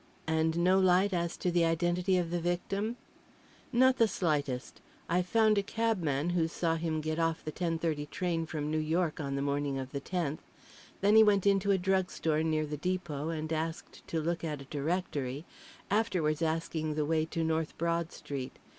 "And no light as to the identity of the victim?" "Not the slightest. I've found a cabman who saw him get off the 10.30 train from New York on the morning of the tenth. Then he went into a drugstore near the depot, and asked to look at a directory, afterwards asking the way to North Broad Street.